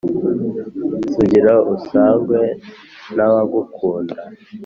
sugira usangwe n'abagukunda.